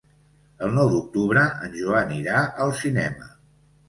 El nou d'octubre en Joan irà al cinema.